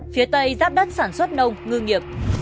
phía tây giáp đất sản xuất nông ngư nghiệp